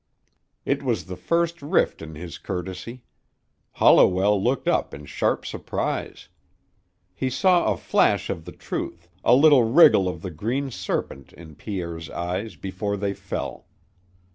It was the first rift in his courtesy. Holliwell looked up in sharp surprise. He saw a flash of the truth, a little wriggle of the green serpent in Pierre's eyes before they fell.